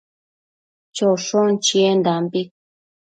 choshon chiendambi